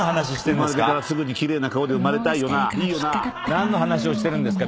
何の話をしてるんですか？